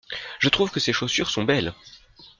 Je trouve que ces chaussures sont belles.